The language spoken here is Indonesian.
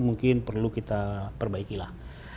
mungkin perlu kita perbaikilah